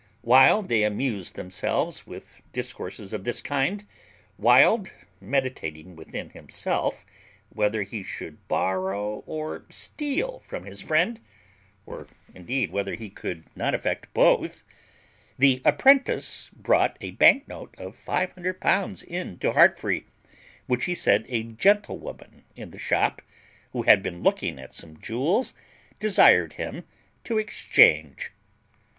While they amused themselves with discourses of this kind, Wild meditating within himself whether he should borrow or steal from his friend, or indeed whether he could not effect both, the apprentice brought a bank note of L500 in to Heartfree, which he said a gentlewoman in the shop, who had been looking at some jewels, desired him to exchange.